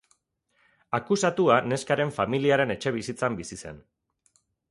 Akusatua neskaren familiaren etxebizitzan bizi zen.